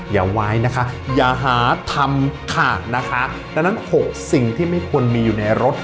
อย่าไว้นะคะอย่าหาทำขาดนะคะดังนั้นหกสิ่งที่ไม่ควรมีอยู่ในรถ